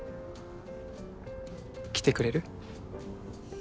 来てくれる？